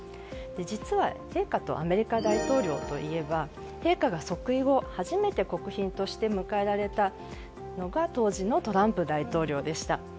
実は、陛下とアメリカ大統領といえば陛下が即位後初めて国賓として迎えられたのが当時のトランプ大統領でした。